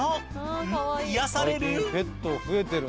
うん癒やされる！